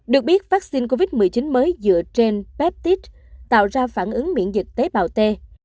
được biết vaccine covid một mươi chín mới dựa trên peptit tạo ra phản ứng miễn dịch tế bào t